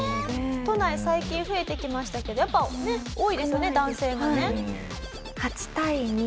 都内最近増えてきましたけどやっぱ多いですよね男性がね。はい。